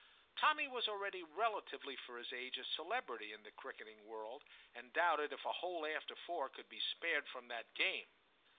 Tommy was already relatively for his age a celebrity in the cricket ing world, and doubted if a whole after four could be spared from that game.